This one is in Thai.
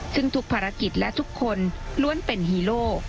ซึ่งทุกภารกิจและทุกคนล้วนเป็นฮีโร่